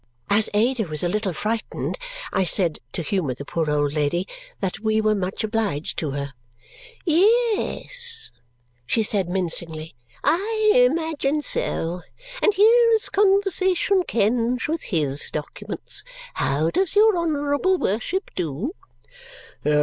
As Ada was a little frightened, I said, to humour the poor old lady, that we were much obliged to her. "Ye es!" she said mincingly. "I imagine so. And here is Conversation Kenge. With HIS documents! How does your honourable worship do?"